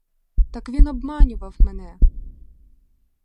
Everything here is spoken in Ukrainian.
Так він обманював мене!